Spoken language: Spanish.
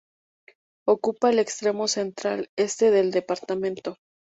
Ocupa el extremo central-este del departamento.